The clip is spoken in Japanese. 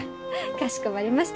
かしこまりました。